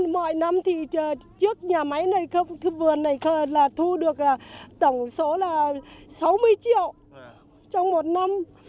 mỗi năm thì trước nhà máy này vườn này là thu được tổng số là sáu mươi triệu trong một năm